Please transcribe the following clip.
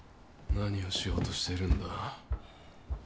何をしようとしてるんだ？